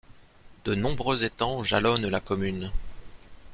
De nombreux étangs jalonnent la commune.